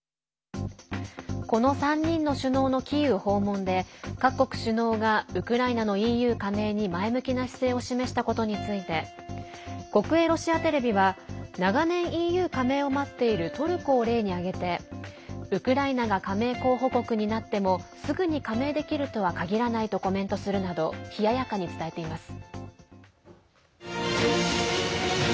この３人の首脳のキーウ訪問で各国首脳がウクライナのＥＵ加盟に前向きな姿勢を示したことについて国営ロシアテレビは長年、ＥＵ加盟を待っているトルコを例に挙げてウクライナが加盟候補国になってもすぐに加盟できるとは限らないとコメントするなど冷ややかに伝えています。